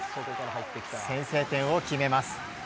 先制点を決めます。